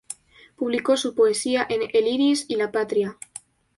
Publicó su poesía en "El Iris" y "La Patria".